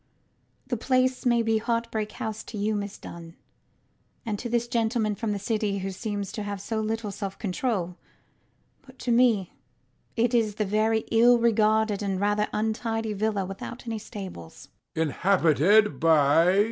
The place may be Heartbreak House to you, Miss Dunn, and to this gentleman from the city who seems to have so little self control; but to me it is only a very ill regulated and rather untidy villa without any stables.